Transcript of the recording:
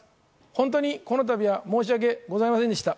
本当にこのたびは申しわけございませんでした。